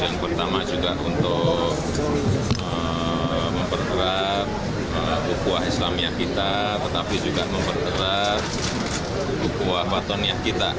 yang pertama juga untuk memperterap hukum islamnya kita tetapi juga memperterap hukum fatonnya kita